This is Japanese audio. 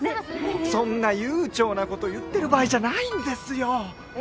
そんな悠長なこと言ってる場合じゃないんですよ。え？